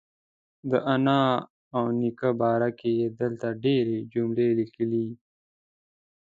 د انا او نیکه باره کې یې دلته ډېرې جملې لیکلي.